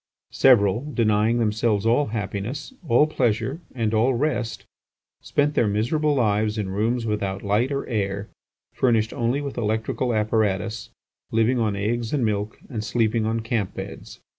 Several, denying themselves all happiness, all pleasure, and all rest, spent their miserable lives in rooms without light or air, furnished only with electrical apparatus, living on eggs and milk, and sleeping on camp beds.